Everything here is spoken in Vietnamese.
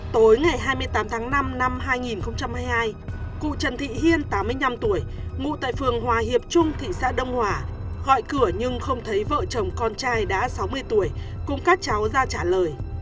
tối ngày hai mươi tám tháng năm năm hai nghìn hai mươi hai cụ trần thị hiên tám mươi năm tuổi ngụ tại phường hòa hiệp trung thị xã đông hòa gọi cửa nhưng không thấy vợ chồng con trai đã sáu mươi tuổi cùng các cháu ra trả lời